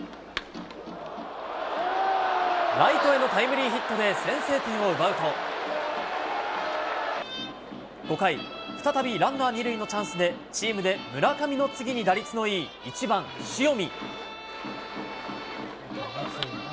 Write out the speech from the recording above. ライトへのタイムリーヒットで先制点を奪うと、５回、再びランナー２塁のチャンスで、チームで村上の次に打率のいい１番塩見。